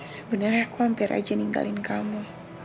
sebenarnya aku hampir aja ninggalin kamu